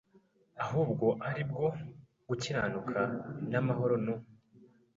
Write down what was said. ahubwo ari ubwo gukiranuka n amahoro no